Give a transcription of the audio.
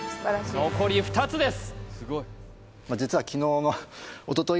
残り２つです